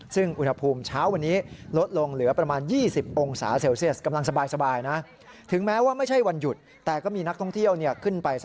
ซึ่งอุณหภูมิเช้าวันนี้ลดลงเหลือประมาณ๒๐องศาเซลเซียส